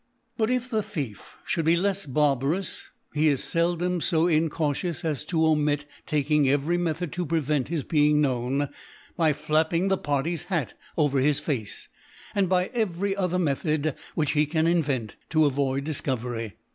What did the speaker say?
But if the Thief fhould be lefs barbarous, he is feldom fo incautious as to omit taking every Me thod to prevent his being known, by flap ping the Party's Hat over his Face, and by .every other Method which he can invent to avoid Difcovery.